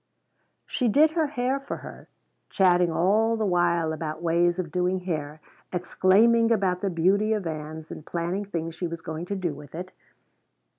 She did her hair for her, chatting all the while about ways of doing hair, exclaiming about the beauty of Ann's and planning things she was going to do with it.